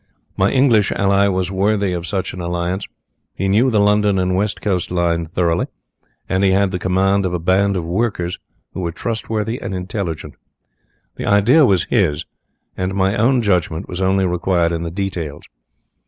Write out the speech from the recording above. My English ally was worthy of such an alliance. He knew the London and West Coast line thoroughly, and he had the command of a band of workers who were trustworthy and intelligent. The idea was his, and my own judgement was only required in the details.